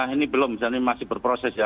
ini belum dan ini masih berproses ya